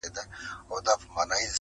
او د تاوتريخوالي پر ضد خبري کوي،